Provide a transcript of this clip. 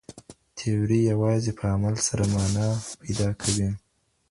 تيوري يوازې په عمل سره مانا پيدا کوي.